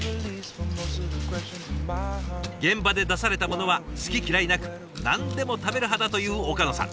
現場で出されたものは好き嫌いなく何でも食べる派だという岡野さん。